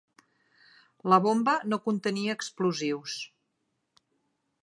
La bomba no contenia explosius.